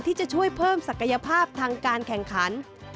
ที่จะช่วยเพิ่มศักยภาพทางการแข่งขัน